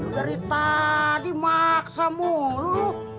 dari tadi maksa mulu